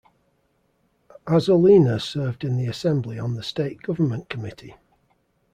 Azzolina served in the Assembly on the State Government Committee.